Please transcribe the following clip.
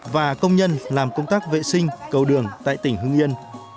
và công nhân làm công tác vệ sinh cầu đường tại tỉnh hưng yên